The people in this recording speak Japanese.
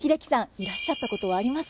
いらっしゃったことはありますか？